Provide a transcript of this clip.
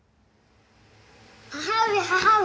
母上母上！